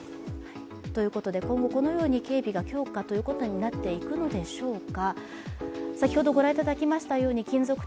今後、このように警備が強化というようになっていくのでしょうか。